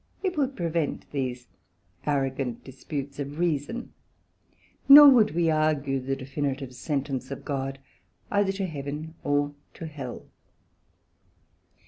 it would prevent these arrogant disputes of reason, nor would we argue the definitive sentence of God, either to Heaven or Hell.